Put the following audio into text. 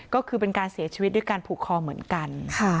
ก็คือเป็นการเสียชีวิตด้วยการผูกคอเหมือนกัน